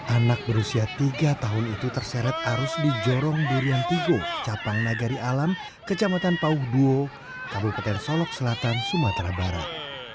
anak berusia tiga tahun itu terseret arus di jorong durian tigo capang nagari alam kecamatan pauh duo kabupaten solok selatan sumatera barat